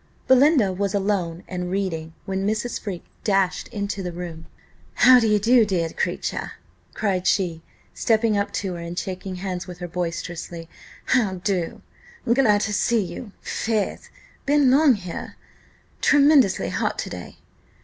Belinda was alone, and reading, when Mrs. Freke dashed into the room. "How do, dear creature?" cried she, stepping up to her, and shaking hands with her boisterously "How do? Glad to see you, faith! Been long here? Tremendously hot to day!"